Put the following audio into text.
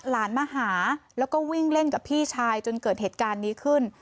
หลานมาหาแล้วก็วิ่งเล่นกับพี่ชายจนเกิดเหตุการณ์นี้ขึ้น